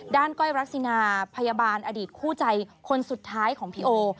ก้อยรักษินาพยาบาลอดีตคู่ใจคนสุดท้ายของพี่โอ